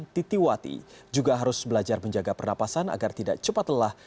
titiwati juga harus belajar menjaga pernapasan agar tidak cepat lelah